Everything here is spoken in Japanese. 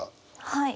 はい。